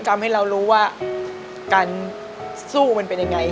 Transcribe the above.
ทำให้เรารู้ว่าการสู้มันเป็นยังไง